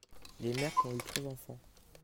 Les mères qui ont eu trois enfants.